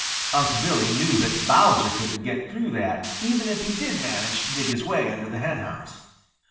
Unc' Billy knew that Bowser couldn't get through that, even if he did manage to dig his way under the henhouse.